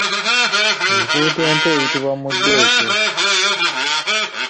Empuuta ento eyitibwa Mudeeke.